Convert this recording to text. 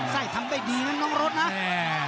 ไส้ทำไม่ดีมันน้องรถนะ